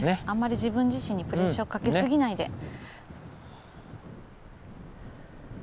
あんまり自分自身にプレッシャーをかけすぎないで。